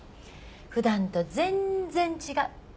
普段と全然違う。